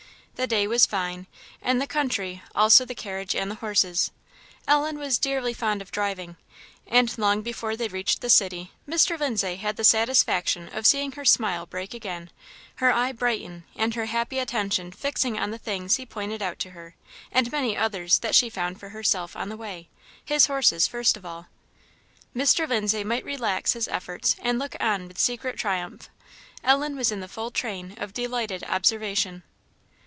The day was fine, and the country, also the carriage and the horses; Ellen was dearly fond of driving; and long before they reached the city, Mr. Lindsay had the satisfaction of seeing her smile break again, her eye brighten, and her happy attention fixing on the things he pointed out to her, and many others that she found for herself on the way, his horses first of all. Mr. Lindsay might relax his efforts and look on with secret triumph; Ellen was in the full train of delighted observation.